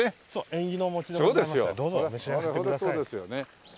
縁起のお餅でございますのでどうぞ召し上がってください。